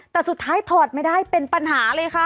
แต่สุดท้ายถอดไม่ได้เป็นปัญหาเลยค่ะ